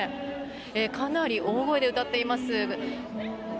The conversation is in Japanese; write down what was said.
かなり大声で歌っています。